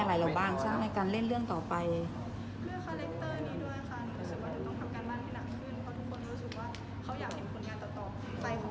ตอนนี้ก็กลัวว่าแบบจึงว่าอยากตามเราเดี๋ยวเขาก็จะผิดหวังหรือเปล่า